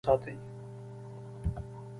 پر تاسو به شیان پلوري، ځان ترې وساتئ.